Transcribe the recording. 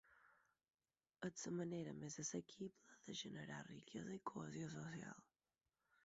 És la manera més assequible de generar riquesa i cohesió social.